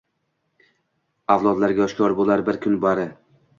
Avlodlarga oshkor bo‘lar bir kun bari